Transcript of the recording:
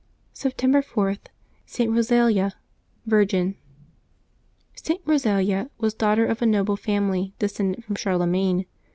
September 4.— ST. ROSALIA, Virgin. |t. Eosalia was daughter of a noble family descended from Charlemagne.